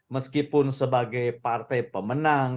meskipun sebagai partai pemenang